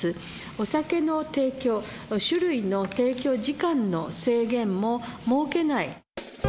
お酒の提供、酒類の提供時間の制限も設けない。